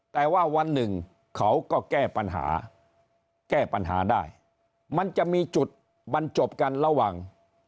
แต่ว่าวันหนึ่งเขาก็แก้ปัญหาแก้ปัญหาได้มันจะมีจุดบรรจบกันระหว่าง